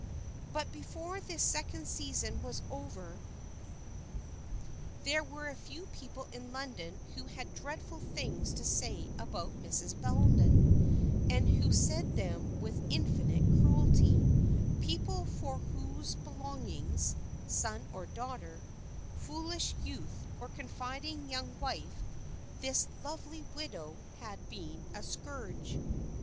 But before this second season was over there were a few people in London who had dreadful things to say about Mrs. Bellenden, and who said them with infinite cruelty; people for whose belongings son or daughter, foolish youth or confiding young wife this lovely widow had been a scourge.